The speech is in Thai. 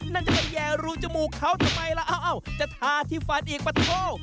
นั่นจะไปแย่รูจมูกเขาทำไมล่ะเอ้าจะทาที่ฟันอีกปะโท